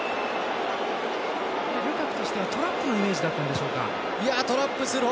ルカクとしてはトラップのイメージだったんでしょうか？